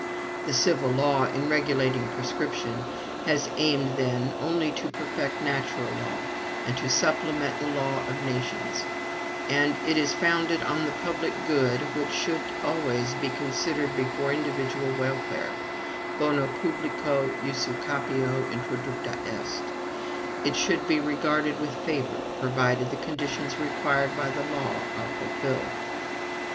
The civil law, in regulating prescription, has aimed, then, only to perfect natural law, and to supplement the law of nations; and as it is founded on the public good, which should always be considered before individual welfare, bono publico usucapio introducta est, it should be regarded with favor, provided the conditions required by the law are fulfilled."